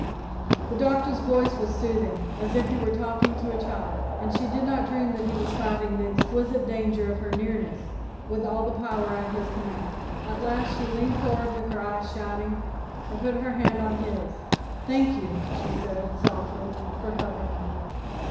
The Doctor's voice was soothing, as if he were talking to a child, and she did not dream that he was fighting the exquisite danger of her nearness with all the power at his command. At last she leaned forward with her eyes shining, and put her hand on his. "Thank you," she said, softly, "for helping me!"